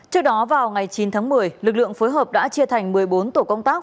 trước đó vào ngày chín tháng một mươi lực lượng phối hợp đã chia thành một mươi bốn tổ công tác